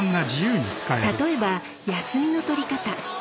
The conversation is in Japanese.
例えば休みの取り方。